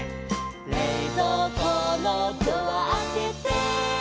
「れいぞうこのドアあけて」